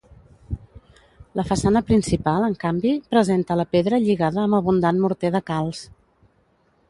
La façana principal, en canvi, presenta la pedra lligada amb abundant morter de calç.